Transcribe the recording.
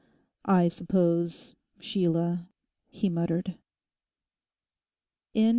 'I suppose—Sheila...' he muttered.